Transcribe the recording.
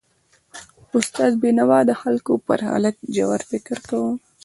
استاد بینوا د خلکو پر حالت ژور فکر کاوه.